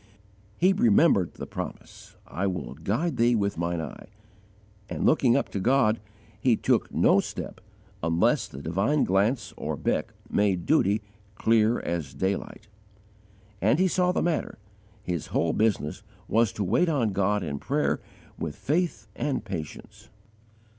He remembered the promise, "I will guide thee with Mine eye," and looking up to God, he took no step unless the divine glance or beck made duty "clear as daylight." As he saw the matter, his whole business was to wait on God in prayer with faith and patience.